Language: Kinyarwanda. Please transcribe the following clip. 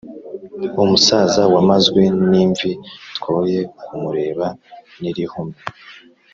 umusaza wamazwe n’imvi twoye kumureba n’irihumye,